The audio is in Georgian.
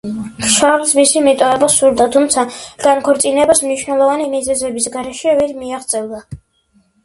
შარლს მისი მიტოვება სურდა, თუმცა განქორწინებას მნიშვნელოვანი მიზეზის გარეშე ვერ მიაღწევდა.